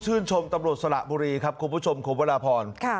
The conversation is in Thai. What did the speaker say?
ชื่นชมตำรวจสละบุรีครับคุณผู้ชมของประวัติภรณ์